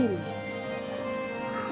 kamu jadi sedih kayak gini